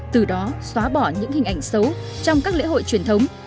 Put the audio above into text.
từ đó xóa bỏ những hình ảnh xấu trong các lễ hội truyền thống